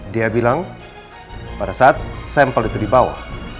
dia bilang pada saat sampel itu dibawa